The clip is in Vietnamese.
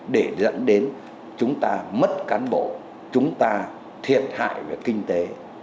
để dẫn đến chúng ta mất cán bộ chúng ta thiệt hại về kinh tế